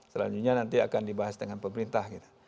selanjutnya nanti akan dibahas dengan pemerintah